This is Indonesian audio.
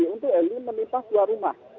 ini untuk helikopter menimpa dua rumah